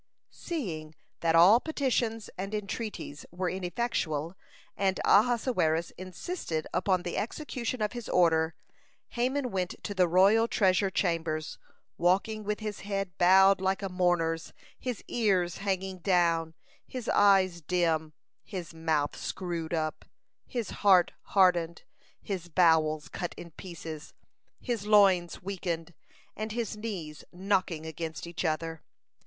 Seeing that all petitions and entreaties were ineffectual, and Ahasuerus insisted upon the execution of his order, Haman went to the royal treasure chambers, walking with his head bowed like a mourner's, his ears hanging down, his eyes dim, his mouth screwed up, his heart hardened, his bowels cut in pieces, his loins weakened, and his knees knocking against each other.